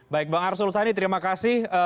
baik bang arsul sani terima kasih